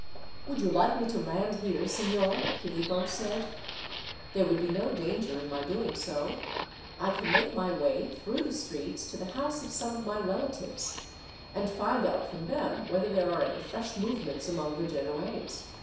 "Would you like me to land here, signor?" Philippo said. "There would be no danger in my doing so. I can make my way, through the streets, to the house of some of my relatives, and find out from them whether there are any fresh movements among the Genoese.